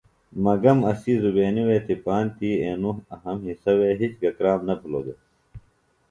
مگم اسی زبینی تپان تی اینوࣿ اہم حصہ وے ہِج گہ کرام نہ بِھلوࣿ دےۡ۔